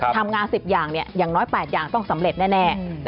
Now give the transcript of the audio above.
ทำงาน๑๐อย่างอย่างน้อย๘อย่างต้องสำเร็จแน่